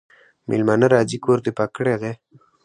مېلمانه راځي کور دي پاک کړی دی؟